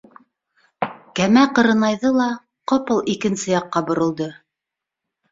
Кәмә ҡырынайҙы ла ҡапыл икенсе яҡҡа боролдо.